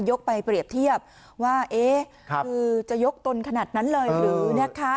ไปเปรียบเทียบว่าเอ๊ะคือจะยกตนขนาดนั้นเลยหรือนะคะ